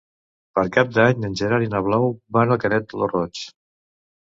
Per Cap d'Any en Gerard i na Blau van a Canet lo Roig.